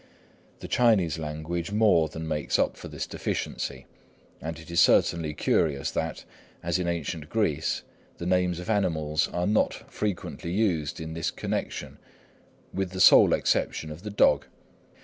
The Chinese language more than makes up for this deficiency; and it is certainly curious that, as in ancient Greece, the names of animals are not frequently used in this connection, with the sole exception of the dog.